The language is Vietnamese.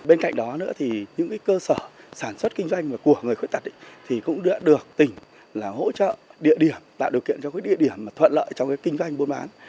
bên cạnh đó nữa thì những cơ sở sản xuất kinh doanh của người khuyết tật thì cũng đã được tỉnh hỗ trợ địa điểm tạo điều kiện cho địa điểm thuận lợi trong cái kinh doanh buôn bán